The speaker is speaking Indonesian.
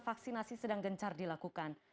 vaksinasi sedang gencar dilakukan